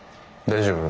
大丈夫？